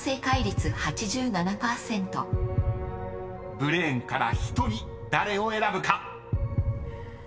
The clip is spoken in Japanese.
［ブレーンから１人誰を選ぶか］